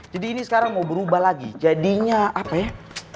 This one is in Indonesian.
jadi ini sekarang mau berubah lagi jadinya apa ya